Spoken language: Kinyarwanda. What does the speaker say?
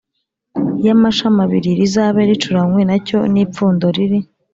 Y Amashami Abiri Rizabe Ricuranywe Na Cyo N Ipfundo Riri